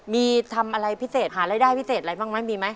มีทำอะไรพิเศษหารายได้พิเศษอะไรบ้างไหมมีไหม